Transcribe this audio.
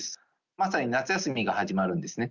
まさに夏休みが始まるんですね。